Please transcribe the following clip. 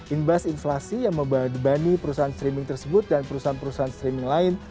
imbas inflasi yang membebani perusahaan streaming tersebut dan perusahaan perusahaan streaming lain